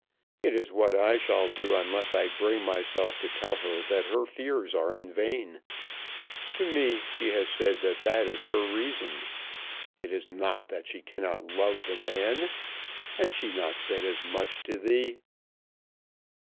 It is what I shall do, unless I bring myself to tell her that her fears are vain. To me she has said that that is her reason. It is not that she cannot love the man. Has she not said as much to thee?"